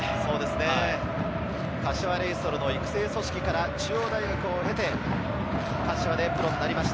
柏レイソルの育成組織から中央大学を経てプロになりました。